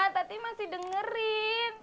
tati masih dengerin